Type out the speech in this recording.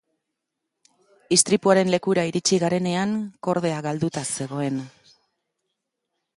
Istripuaren lekura iritsi garenean kordea galduta zegoen.